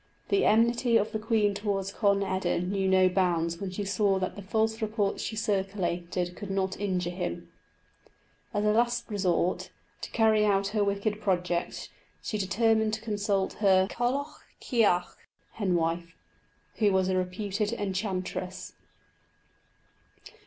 The enmity of the queen towards Conn eda knew no bounds when she saw that the false reports she circulated could not injure him. As a last resource, to carry out her wicked projects, she determined to consult her Cailleach chearc (hen wife), who was a reputed enchantress.